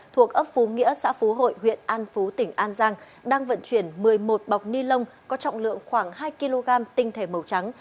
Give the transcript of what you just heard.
thuộc ấp phú nghĩa xã phú hội huyện an phú tỉnh an giang đang vận chuyển một mươi một bọc ni lông có trọng lượng khoảng hai kg tinh thể màu trắng